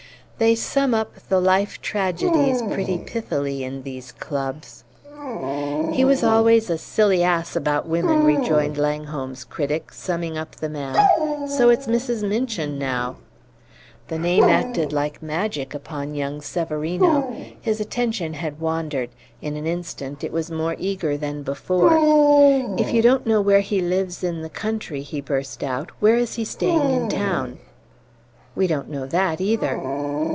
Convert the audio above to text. They sum up the life tragedies pretty pithily, in these clubs. "He was always a silly ass about women," rejoined Langholm's critic, summing up the man. "So it's Mrs. Minchin now!" The name acted like magic upon young Severino. His attention had wandered. In an instant it was more eager than before. "If you don't know where he lives in the country," he burst out, "where is he staying in town?" "We don't know that either."